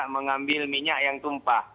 mengambil minyak yang tumpah